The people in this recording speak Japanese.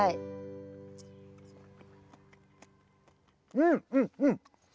うんうんうん。